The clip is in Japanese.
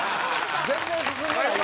全然進んでないよ。